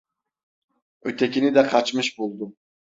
Ötekini de kaçmış buldu.